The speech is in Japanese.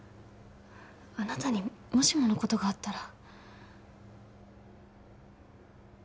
あなたにもしものことがあったら